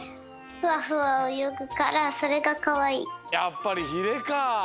やっぱりひれか！